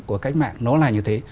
của cách mạng nó là như thế